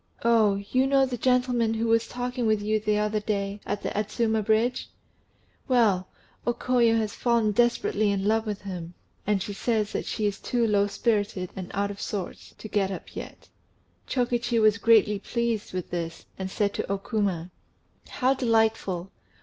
"Oh, you know the gentleman who was talking with you the other day, at the Adzuma Bridge? Well, O Koyo has fallen desperately in love with him, and she says that she is too low spirited and out of sorts to get up yet." Chokichi was greatly pleased to hear this, and said to O Kuma "How delightful!